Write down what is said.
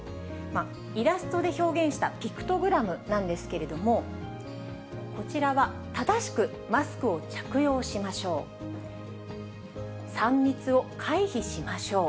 イラストで表現したピクトグラムなんですけれども、こちらは正しくマスクを着用しましょう。